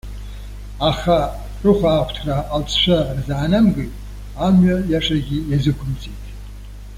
Аха рыхәаахәҭра алҵшәа рзаанамгеит, амҩа иашагьы иазықәымҵеит.